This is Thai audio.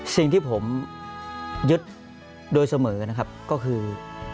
สิ่งที่ผมยึดโดยเสมอนะครับก็คือ